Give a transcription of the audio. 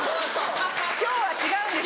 今日は違うんですよ。